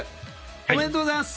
おめでとうございます。